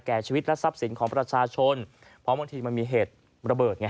ชีวิตและทรัพย์สินของประชาชนเพราะบางทีมันมีเหตุระเบิดไง